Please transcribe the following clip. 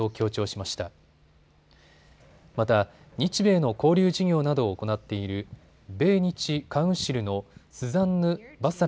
また日米の交流事業などを行っている米日カウンシルのスザンヌ・バサラ